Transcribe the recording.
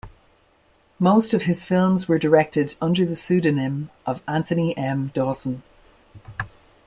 Most of his films were directed under the pseudonym of Anthony M. Dawson.